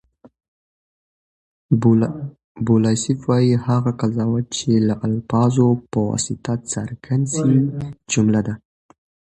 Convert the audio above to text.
بوسلایف وایي، هغه قضاوت، چي د الفاظو په واسطه څرګند سي؛ جمله ده.